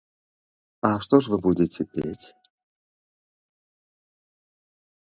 А што ж вы будзеце пець?